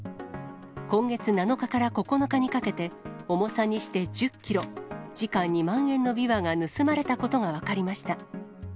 今月７日から９日にかけて、重さにして１０キロ、時価２万円のびわが盗まれたことが分かりました。